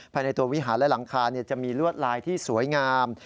ภายในตัววิหารและหลังคาจะมีลวดลายที่สวยงาม